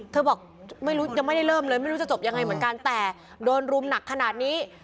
บอกไม่รู้ยังไม่ได้เริ่มเลยไม่รู้จะจบยังไงเหมือนกันแต่โดนรุมหนักขนาดนี้